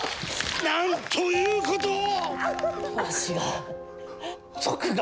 なんということを！